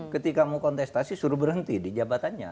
ketika mau kontestasi suruh berhenti di jabatannya